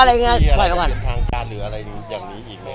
อะไรอย่างเงี้ยปล่อยมาก่อนมีอะไรแบบทางการหรืออะไรอย่างนี้อีกไหม